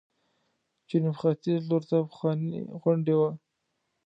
جنوب ختیځ لورته پخوانۍ غونډۍ وه.